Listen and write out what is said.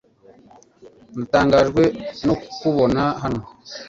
Natangajwe no kukubona hano .